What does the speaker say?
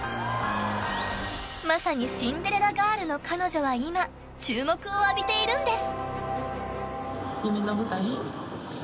まさにシンデレラガールの彼女は今、注目を浴びているんです。